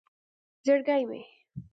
زرگی مې